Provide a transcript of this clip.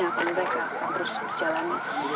akan mereka terus berjalan